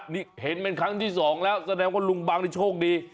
นี่เห็นเป็นครั้งที่สองแล้วแสดงว่าลุงบังนี่โชคดี